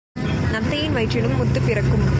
நத்தையின் வயிற்றிலும் முத்துப் பிறக்கும்.